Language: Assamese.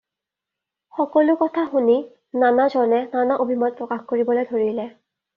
সকলো কথা শুনি নানা জনে নানা অভিমত প্ৰকাশ কৰিবলৈ ধৰিলে।